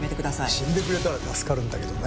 死んでくれたら助かるんだけどね。